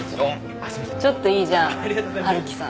ちょっといいじゃん春木さん。